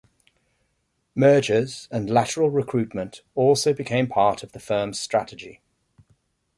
Mergers and lateral recruitment also became part of the firm's strategy.